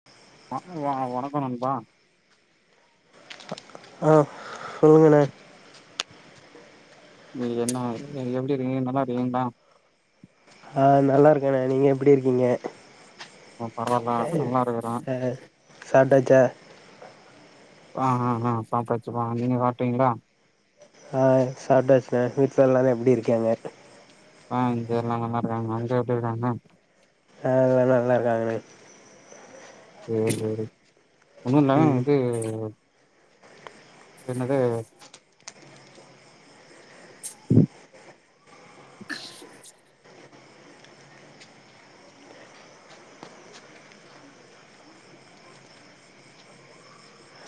[unintelligible] [unintelligible] ஆ வணக்கம் நண்பா ஆ சொல்லுங்கண்ணே என்ன எப்டி இருங்கீங்க நல்லா இருக்கீங்களா ஆ நல்லாருக்கேண்ணா நீங்க எப்டி இருக்கீங்க பரவால்ல நல்லா இருக்குறே ஆ சாப்டாச்சா ஆ ஆ ஆ சாப்டாச்சுமா நீங்க சாப்டீங்களா ஆ சாப்டாச்சுணே வீட்ல எல்லாரும் எப்டி இருக்காங்க ஆ இங்க எல்லா நல்லா இருக்காங்க அங்க எப்டி இருக்காங்க அ எல்லா நல்லா இருக்காங்கண்ணே சேரி சேரி ஒண்ணும் இல்ல ம் இது என்னது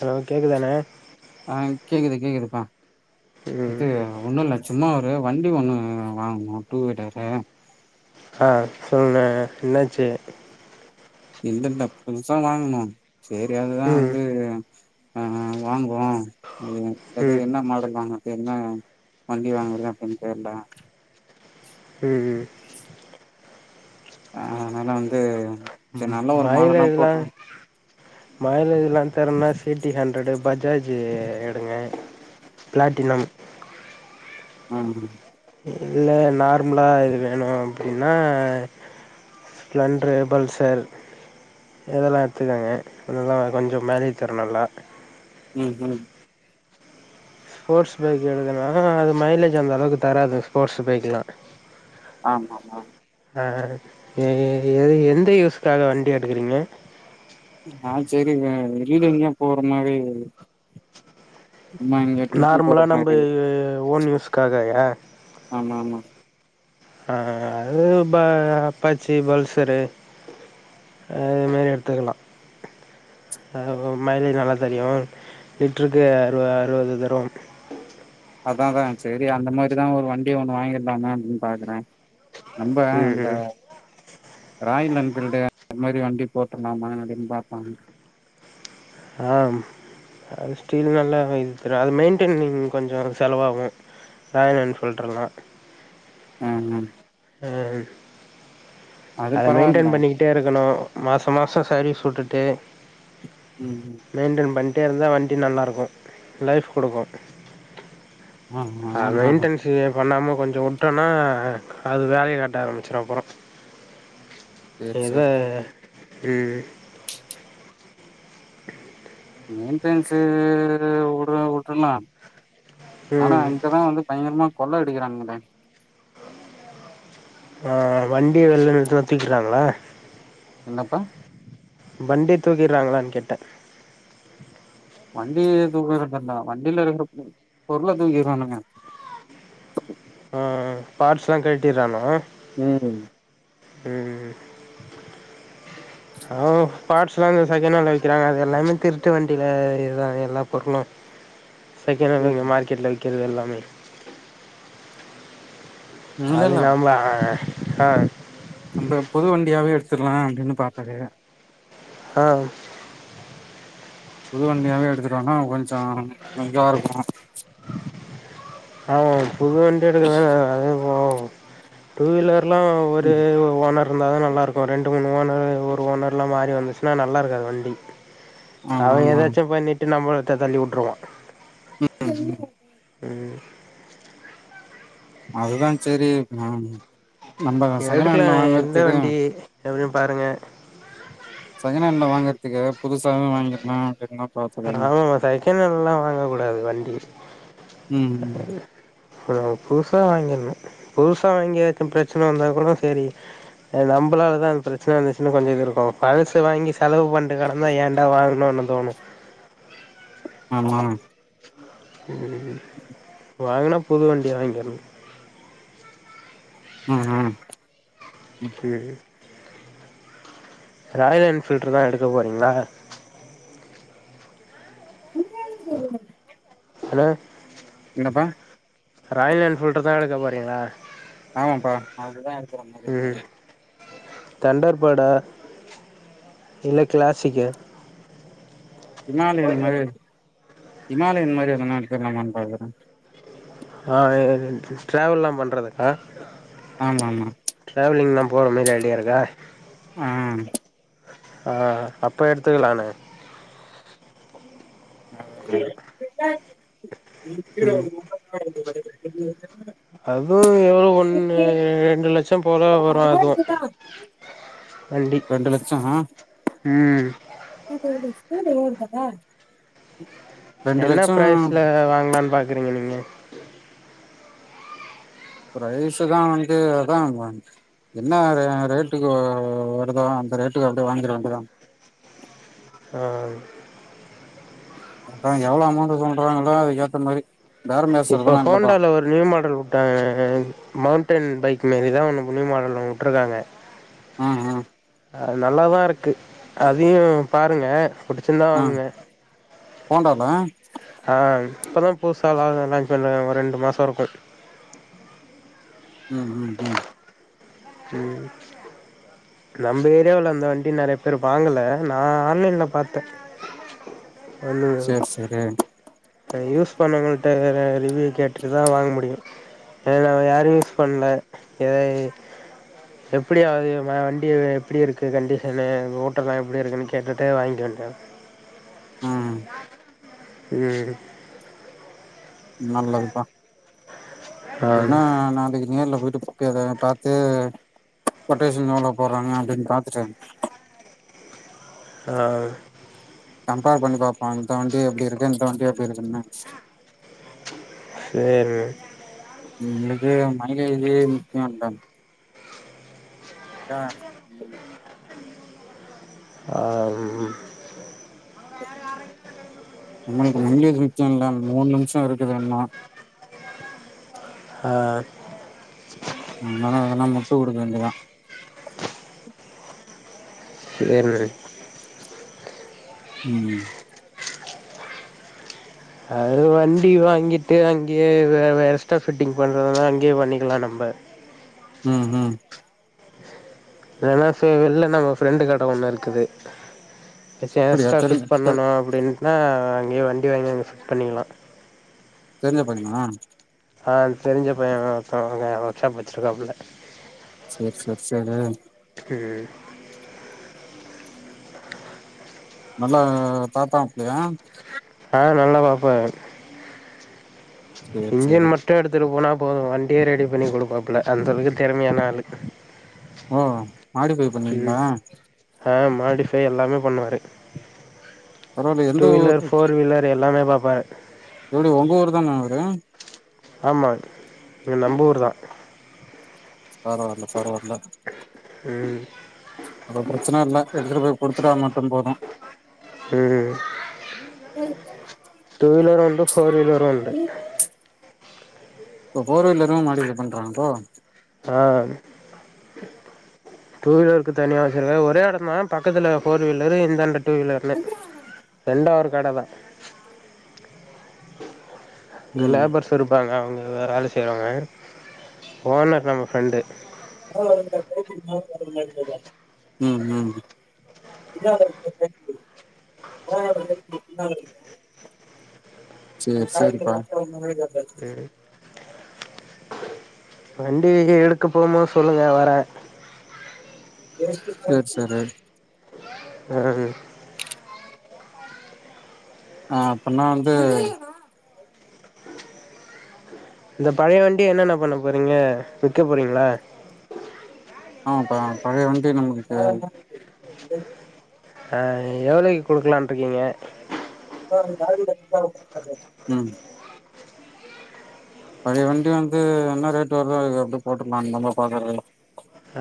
அ கேக்குதாண்ணே ஆ கேக்குது கேக்குதுப்பா ம் இது ஒன்னும் இல்ல சும்மா ஒரு வண்டி ஒன்னு வாங்குணோம் டூவீல்லரு ஆ சொல்லுண்ணே என்னாச்சு இல்ல இல்ல புதுசா வாங்குனோம் சேரி அதுதா ம் வந்து ஆ வாங்குவோம் ம் ஏது என்ன மாடல் வாங்க என்ன வண்டி வாங்குறது அப்டின்னு தெர்ல ம் ஆ அதனால வந்து சரி நல்ல ஒரு மாடலா மைலேஜ் தா போட்டு மைலேஜ்லா தெர்னா சிடி ஹண்ட்ரடு பஜாஜ் எடுங்க பிளாட்டினம் ம் இல்ல நார்மலா இது வேணும் அப்டின்னா ஸ்பெளண்ட்டர் பல்சர் இதெல்லா எடுத்துக்கோங்க அதெல்லா கொஞ்சம் மேலேஜ் தரும் நல்லா ம் ம் ஸ்போர்ட்ஸ் பேக் எடுத்துன்னா அது மைலேஜ் அந்த அளவுக்கு தராது ஸ்போர்ட்ஸ் பைக் எல்லா ஆமா ஆமா ஆ எ இது எந்த யூஸ்காக வண்டி எடுக்குறீங்க ஆ சேரிங்க வெளில எங்க போற நாலே நார்மலா நம்ப மாரி ஓன் யூஸ்காக யா ஆம்மா ஆம்மா ஆ அது பா அப்பாச்சி பல்சரு அ இதுமாறி எடுத்துக்கலாம் மைலேஜ் நல்லா தெரியும் லிட்ருக்கு அறு அறுவது தரும் அதா தா சேரி அந்த மாதிரிதா ஒரு வண்டிய ஒண்ணு வாங்கிடலா அப்டின்னு பாக்குறேன் நம்ப ம் அந்த ம் ராயல் என்பீல்டு அந்த மாரி வண்டி போட்றலாமா அப்டின்னு பாத்தங்க ஆ அது ஸ்டீல் நல்லாவே இது தரு அது மெய்ன்டனிங் கொஞ்சோ அதுக்கு செலவாகு காலேல வந்து சொல்ற நா ம் ம் அத அது அத பரவால்ல மெயின்டென் பண்ணி ட்டே இருக்கணு மாசோ மாசோ சர்வீஸ் உட்டுட்டு ம் ம் மெயின்டென் பண்ட்டே இருந்தா வண்டி நல்லா இருக்கு லைஃப் குடுக்கு ஆ ஆ அ ஆமா மெயின்டன்ஸு பண்ணாம கொஞ்சோ உட்டோனா அது வேலைய காட்ட ஆரமிச்சிரு அப்புறோ சேரி எத சேரி சேரி இது மெயின்டன்ஸு உடனு உட்றுலா ஆனா ம் இங்கதா வந்து பயங்கரமா கொள்ள அடிக்கிறாங்களே ஆ வண்டிய வெளில எடுத்துன தூக்கிட்றாங்ளா என்னப்பா வண்டி தூக்கிறாங்ளான் கேட்ட வண்டிய தூக்கிற மாட்டான் வண்டில இருக்ற பொருள தூக்கிறானுங்க ஆ பாட்ஸ்லா கள்ட்டிறானா ம் ம் அவ பாட்ஸ்லா அங்க செக்கெணன்ல விக்கிறாங்க அது எல்லாமே திருட்டு வண்டில விக்கிற்தா எல்லா பொருளு செக்கெணென்ல இங்க ம் மார்க்கெட்ல விக்கிறது எல்லாமே இல்ல அது இல்ல இல்லாம ஆ அந்த புது வண்டியாவே எடுத்துர்லா அப்படின்னு பாத்தது ஆ புது வண்டியாவே எடுத்துட்டோனா கொஞ்சோ இதா இருக்கு ஆமா புது வண்டி எடுக்குனா அதே போது டூ வீலர் னா ஒரு ஓனர் இருந்தாதா நல்லா இருக்கு ரெண்டு மூணு ஓனர் ஒரு ஓனர்லா மாறி வந்துச்சுனா நல்லா இருக்காது வண்டி ஆமா அவன் ஆமா ஏதாச்சும் பண்ணிட்டு நம்மட்ட தள்ளி உட்டுருவான் ம் அதுதான் சேரி ம் எடுக்குலா எந்த வண்டி எப்டின் பாருங்க செகெணன்ல வாங்கற்துக்கு புதுசாவே வாங்கிர்லா அப்டின்தா பாத்தது ஆமாமா செகெணன்லா வாங்க கூடாது வண்டி ம் ம் இப்ப நம்ம புதுசா வாங்கிருனு புதுசா வாங்கி எதாச்சு பிரச்சன வந்தா கூடனா சேரி அது நம்பளாலதா அதுக் பிரச்சன வந்துச்சுன்னு கொஞ்சோ இது இருக்கு பழசு வாங்கி செலவு பண்ட்டு கெட ந்தா ஏன்டா வாங்குணோனு தோணு ஆ ம் வாங்குனா புது வண்டியா வாங்கிர்ணு ம் ம் சேரி ராயல் என்ஃபீல்ட்ருதா எடுக்க போறீங்ளா ஹலோ என்னப்பா ராயல் என்ஃபீல்டு தா எடுக்க போறீகளா ஆமாப்பா அதுதா எடுக்குற மாரி இருக்து கண்டோர் பேடு இல்ல கிளாசிக்கு ஹிமாலயன் இந்த மாரி ஹிமாலயன் மாரி எதனா எடுத்தர்லாமான் பாக்குறே ஆ இது டிரவல்லா பண்றதுக்கா ஆமாமா ட்ராவலிங்லா போற மாரி ஐடியா இருக்கா ஆ ஆ அப்போ எடுத்துக்கலானே ஆ ம் அதுவு எவ்ளோ ஒன்னு ரெண்டு லட்சம் போல வரு அதுவு வண்டி ரெண்டு லட்சமா ம் நேத்து எததா ஸ்கூல் [unintelligible] என்னா ப்ரைஸ்ல வாங்கலான் பாக்குறீங்க நீங்க பிரைஸ் தா வந்து அதான் நான் என்னா ரே ரேட்டுக்கு வருதோ அந்த ரேட்டுக்கு அப்டியே வாங்கிற வேண்டிதா ஆ அதா எவ்ளோ அமௌண்ட் சொல்றாங்களோ அதுக் ஏத்த மாதி இப்போ ஹோண்டால நியூ மாடல் வுட்டாங்க மவுண்டன் பைக் மாரிதா ஒன்னு நியூ மாடல்ல வுட்ருக்காங்க ஆஹ ஆ அ அது நல்லாதா இருக்கு அதையு பாருங்க புடிச்சிருந்தா வாங்குங்க ஹோண்டாதா ஆ இப்போ தா புதுசா லா லாஞ்ச்ண்ண ஒரு ரெண்டு மாசோ இருக்கு ம் ம் ம் ம் நம்ப ஏரியாவுல அந்த வண்டி நெறைய பேர் வாங்கல நா ஆன்லைன்ல பாத்தே ஒன்னு சேரி சேரி அ யூஸ் பண்ணவங்கள்ட்ட ரிவ்யு கேட்டுட்டுதா வாங்க முடியு தெர்ல யாரு யூஸ் பண்ல எ எப்டியாவ்து வண் டி எப்டி இருக்கு கண்டிஷனு ஓட்டலா எப்டி இருக்குன்னு கேட்டுட்டு வாங்கிட்டு வந்ட்டே ம் ம் ம் நல்லதுப்பா ம் இப்டின்னா நாளைக்கு நேர்ல போயிட்டு போய் பா பாத்து கொட்டேஷன் எவ்ளோ போடுறாங்க அப்டின்னு பாத்துட்டு வரனு ஆ கம்பேர் பண்ணி பாப்போ இந்த வண்டி எப்டி இருக்கு இந்த வண்டி எப்டி இருக்குன்னு சேரி நீ இன்னைக்கு [unintelligible] இத்துனு வந்ட்டங் தா ஆ ம் ம் உங்களுக்கு [unintelligible] முக்கியோ இல்ல மூணு நிமிஷோ இருக்குது இன்னு ஆஹ் நம்மல்லா வேணுனா முட்டு குடுக்க வேண்டியதா [unintelligible] ம் அது வண்டி வாங்கிட்டு அங்கேயே வேற எஸ்ட்டா ஃபிட்டிங் பண்றதுனா அங்கயே பண்ணிக்கலா நம்ப ம் ம் இல்லன்னா சு வெளில நம்ம ஃப்ரெண்டு கட ஒன்னு இருக்குது எதாச்சு அப்படியா எக்ஸ்ட்ரா தெரி ஃபிட் தெரி பண்ணனு அப்டின்னா அங்கயே வண்டி வாங்கி அங்க ஃபிட் பண்ணிக்கலா தெரிஞ்ச பையனா ஆ தெரிஞ்ச பைய ஒருத்தவங்க ஒர்க்க்ஷாப் வச்சிருக்காப்புல சேர் சேர் [unintelligible] ம் நல்லா பாப்பாபுள்ளையா ஆ நல்லா பாப்பாரு சேரி இன்ஜின் சேரி மட்டு எடுத்துட்டு போனா போது வண்டியே ரெடி பண்ணி கொடுப்பாப்புல அந்த அளவுக்கு தெறமையான ஆளு ஓ மாடிஃபை ம் பண்ணுவிங்களா ஆ மாடிஃபை எல்லாமே பண்ணுவாரு பரவாயில்ல எந்த டூ வீலர் ஊர் போர் வீலர் எல்லாமே பாப்பாரு எப்டி ஒங்க ஊர்தான அவரு ஆமா இங்க நம்ப ஊர்தா பரவால்ல பரவால்ல ம் அது ப்ரச்சன இல்ல எடுத்துட்டு போய் குடுத்துட்டா மட்டு போது ம் டூ வீலரு உண்டு ஃபோர் வீலரு உண்டு உ இப்ப ஃபோர் வீலரும் மாடிஃபை பண்றாங்க ப்ரோ ஆ டூ வீலருக்கு தனியா வச்சிருக்கா ஒரே எடந்தா பக்கத்துல போர் வீலரு இந்தாண்ட டூ வீலர்னுு ரெண்டா ஒரு கடவ அங்க ம் லேபர்ஸ் இருப்பாங்க அவங்க வேற வேல செய்றவங்க ஓனர் நமக்கு ஃப்ரெண்டு ம் ம் [unintelligible] சேரி சேரி பாக்குற ப்ரோ வண்டி எடுக்க போம்போது சொல்லுங்க வரே சேரி சேரி எடு கனவு ஆ அப்பின்னா வந்து இந்த பழைய வண்டிய என்னண்ண பண்ண போறீங்க விக்க போறீங்களா ஆப்பா பழைய வண்டி நமக்கு [unintelligible] ஆ எவ்ளோக்கு குடுக்லான்ட்டு இருக்கீங்க ம் பழைய வண்டி வந்து என்னா ரேட் வருதோ அதுக்கு அப்டியே போட்டுருலா [unintelligible] பாக்குறே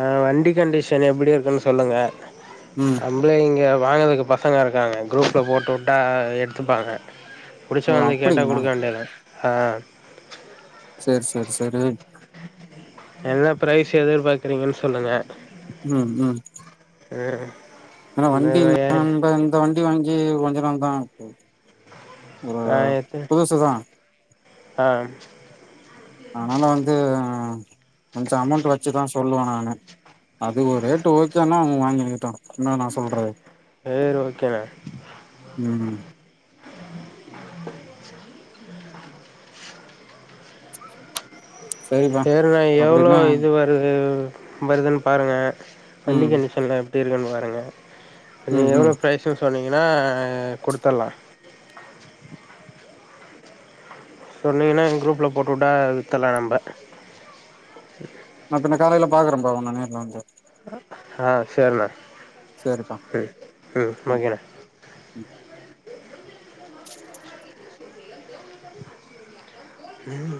ஆ வண்டி கண்டிஷன் எப்டி இருக்குன்னு சொல்லுங்க ம் நம்ப்ளே இங்க வாங்கறதுக்கு பசங்க இருக்காங்க குரூப்ல போட்டு விட்டா எ எட்த்துப்பாங்கா புடிச்சா ஓ வந்து கேட்டா அப்டிங்களா குடுக்க வேண்டியதா ஆ சரி சரி சரி என்ன ப்ரைஸ் எதிர்பாக்குறீங்கன்னு சொல்லுங்க உ உ அ ஏன்னா வண்டி இந்த வண்டி வாஞ்சி கொஞ்ச நாள் தா ஆகுது ஆ எத்து புதுசு தா ஆ அதனால வந்து கொஞ்ச அமௌண்ட் வச்சுதா சொல்லுவே நானு அது ஒரு ரேட்டு ஓகேனா அவங்க வாங்கிக்கிட்டோ என்ன நா சொல்றது சரி ஓகேண்ண உ சரிப்பா சேர்ரா ஏவ்ளோ அப்டின்னா இதுவா உ வருதுன்னு பாருங்க வண்டி ம் கண்டிஷன்ல எப்டி இருக்குன்னு பாருங்க ம் நீங்க ம் எவ்வள பிரைஸுனு சொன்னீங்கன்னா குடுத்திட்லா சொன்னிங்கன்னா எ குரூப்ல போட்டுவிட்டா வித்தில்லா நம்ப நாத்துன காரங்கள பாக்குறேன்ம்பா உ நேர்ல வந்து ஆ சேர்டா சேரிப்பா உ உ ம் ஓகேன ம் உ